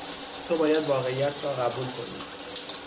تو باید واقعیت را قبول کنی.